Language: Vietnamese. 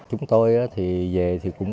chúng tôi thì về thì cũng